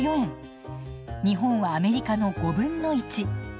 日本はアメリカの５分の１。